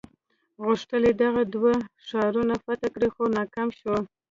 غوښتل یې دغه دوه ښارونه فتح کړي خو ناکام شو.